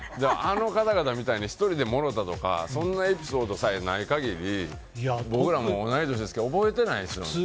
あの方々みたいに１人でもろたとかそんなエピソードさえない限り僕らも同い年ですけど覚えてないですよね。